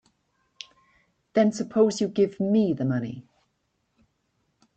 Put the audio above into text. Then suppose you give me the money.